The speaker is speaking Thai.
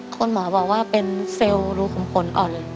คุณหมอบอกว่าเป็นเซลล์รูขุมขนอ่อนเลย